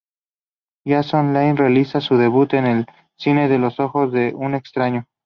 Jason Leigh realizaría su debut en el cine en "Los ojos de un extraño".